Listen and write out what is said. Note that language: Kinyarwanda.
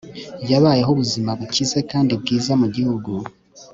yabayeho ubuzima bukize kandi bwiza mugihugu